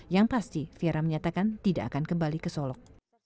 yang pasti fiera menyatakan tidak akan kembali ke solok